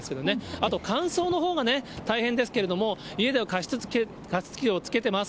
あと乾燥のほうがね、大変ですけれども、家では加湿器を着けてます。